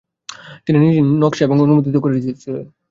তিনি নিজেই নকশা এবং অনুমোদিত করেছিলেন।